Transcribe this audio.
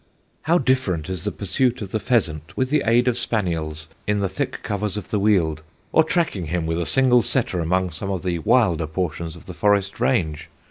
"How different is the pursuit of the pheasant with the aid of spaniels in the thick covers of the weald, or tracking him with a single setter among some of the wilder portions of the forest range!